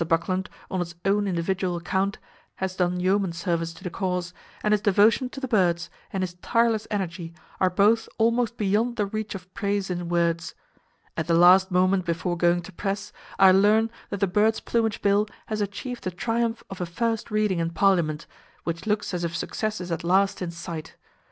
Buckland, on his own individual account, has done yeoman service to the cause, and his devotion to the birds, and his tireless energy, are both almost beyond the reach of praise in words. At the last moment before going to press I learn that the birds' plumage bill has achieved the triumph of a "first reading" in Parliament, which looks as if success is at last in sight.